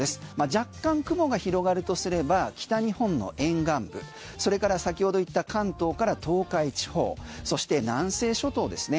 若干、雲が広がるとすれば北日本の沿岸部それから先ほど言った関東から東海地方そして南西諸島ですね。